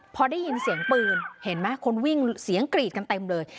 พอได้ยินเสียงปืนเห็นไหมคนวิ่งเสียงกรีดกันเต็มเลย